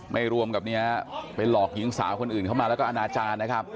รวมกับเนี่ยไปหลอกหญิงสาวคนอื่นเข้ามาแล้วก็อนาจารย์นะครับ